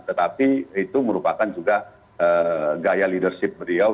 tetapi itu merupakan juga gaya leadership beliau